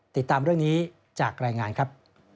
ติดตามเรื่องนี้จากรายงานครับ